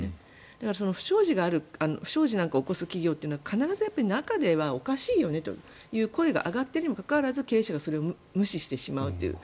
だから、不祥事なんかを起こす企業というのは必ず中ではおかしいよねという声が上がっているにもかかわらず経営者がそれを無視してしまうという。